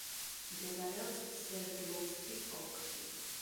მდებარეობს სვერდლოვსკის ოლქში.